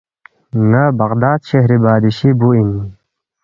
”ن٘ا بغداد شہری بادشی بُو اِن